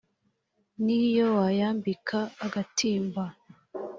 N' iyo wayambika agatimba